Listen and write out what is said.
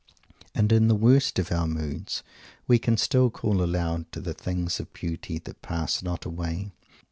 And in the worst of our moods we can still call aloud to the things of beauty that pass not away.